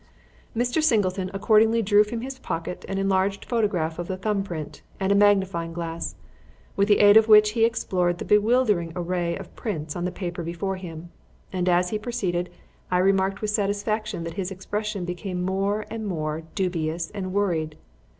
Mr. Singleton accordingly drew from his pocket an enlarged photograph of the thumb print and a magnifying glass, with the aid of which he explored the bewildering array of prints on the paper before him; and as he proceeded I remarked with satisfaction that his expression became more and more dubious and worried.